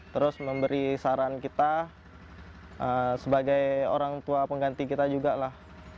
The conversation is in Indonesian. terus memberi saran kita sebagai orang tua pengganti kita juga lah